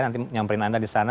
nanti nyamperin anda di sana